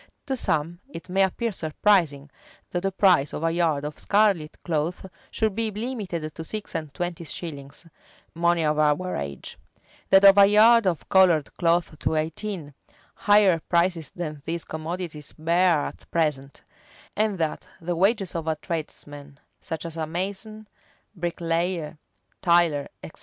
To some it may appear surprising, that the price of a yard of scarlet cloth should be limited to six and twenty shillings, money of our age; that of a yard of colored cloth to eighteen; higher prices than these commodities bear at present; and that the wages of a tradesman, such as a mason, bricklayer, tiler, etc.